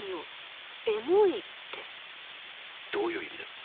どういういみだ？